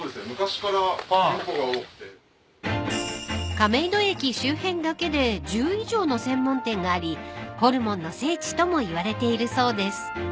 ［亀戸駅周辺だけで１０以上の専門店がありホルモンの聖地とも言われているそうです］